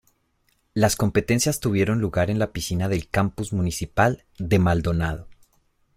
Las competencias tuvieron lugar en la piscina del Campus Municipal de Maldonado.